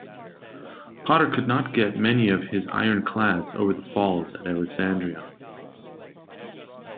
Porter could not get many of his ironclads over the falls at Alexandria.